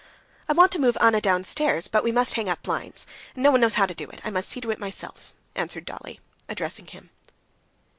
"I want to move Anna downstairs, but we must hang up blinds. No one knows how to do it; I must see to it myself," answered Dolly addressing him.